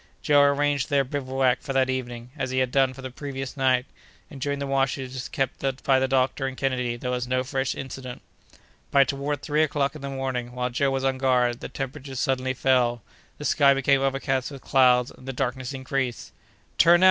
Joe arranged their bivouac for that evening, as he had done for the previous night; and during the watches kept by the doctor and Kennedy there was no fresh incident. But, toward three o'clock in the morning, while Joe was on guard, the temperature suddenly fell; the sky became overcast with clouds, and the darkness increased. "Turn out!"